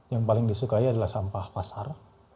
yang paling disukai adalah sampah pasar